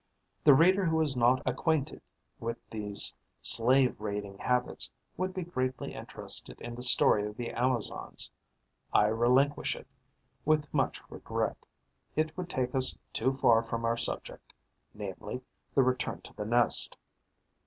The reader who is not acquainted with these slave raiding habits would be greatly interested in the story of the Amazons. I relinquish it, with much regret: it would take us too far from our subject, namely, the return to the nest.